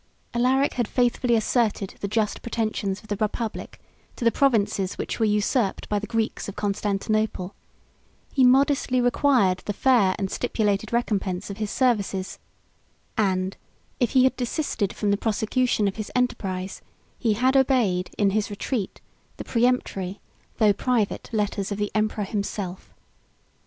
Alaric had faithfully asserted the just pretensions of the republic to the provinces which were usurped by the Greeks of Constantinople: he modestly required the fair and stipulated recompense of his services; and if he had desisted from the prosecution of his enterprise, he had obeyed, in his retreat, the peremptory, though private, letters of the emperor himself.